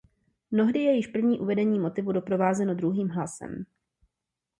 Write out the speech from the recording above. Mnohdy je již první uvedení motivu doprovázeno druhým hlasem.